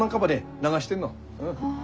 流してんの。